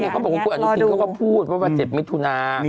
ก็บอกวันที่๗ก็พูดว่าวันที่๗ไม่ทุนา